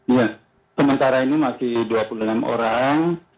iya sementara ini masih dua puluh enam orang